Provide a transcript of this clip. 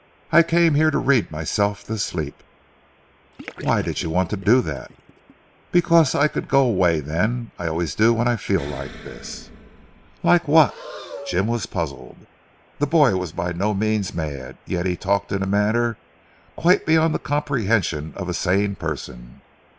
I came here to read myself to sleep." "Why did you want to do that?" "Because I could go away then. I always do when I feel like this." "Like what?" Jim was puzzled. The boy was by no means mad, yet he talked in a manner quite beyond the comprehension of a sane person.